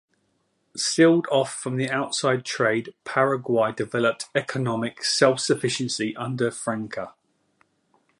Sealed off from outside trade, Paraguay developed economic self-sufficiency under Francia.